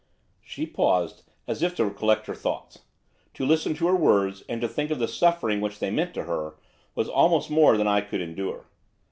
She paused, as if to collect her thoughts. To listen to her words, and to think of the suffering which they meant to her, was almost more than I could endure.